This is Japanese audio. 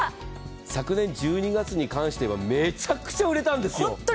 昨年１２月に関してはめちゃくちゃ売れたんですよ。